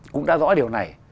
cũng đã rõ điều này